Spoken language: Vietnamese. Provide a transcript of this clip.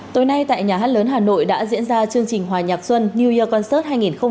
tối nay tại nhà hát lớn hà nội đã diễn ra chương trình hòa nhạc xuân new year concert hai nghìn hai mươi bốn